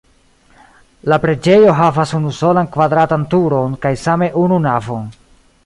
La preĝejo havas unusolan kvadratan turon kaj same unu navon.